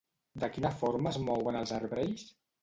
De quina forma es mouen els arbrells?